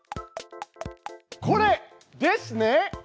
これですね！